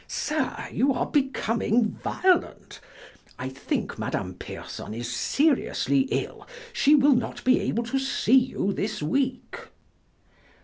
"Sir, you are becoming violent, I think Madame Pierson is seriously ill; she will not be able to see you this week."